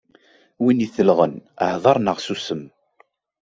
Win itellɣen, hdeṛ neɣ ssusem.